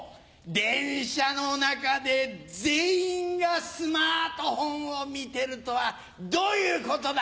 電車の中で全員がスマートフォンを見てるとはどういうことだ！